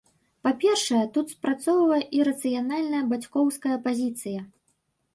Па-першае, тут спрацоўвае і рацыянальная бацькоўская пазіцыя.